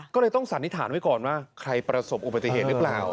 ก็เลยต้องสันนิษฐานไว้ก่อนว่าใครประสบอุบัติเหตุหรือเปล่า